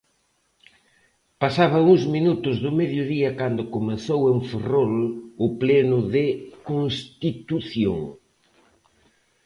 Pasaba uns minutos do mediodía cando comezou en Ferrol o pleno de constitución.